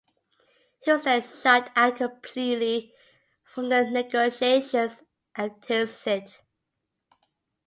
He was then shut out completely from the negotiations at Tilsit.